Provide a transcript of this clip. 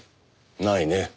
ないね。